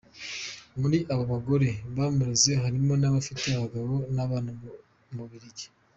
Muri abo bagore bamureze harimo n’abafite abagabo n’abana mu Bubiligi .